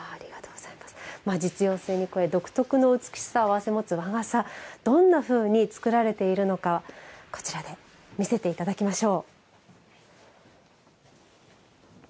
実用性に加え独特の美しさを併せ持つ和傘がどんなふうに作られているのかこちらで見せていただきましょう。